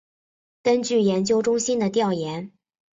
根据研究中心的调研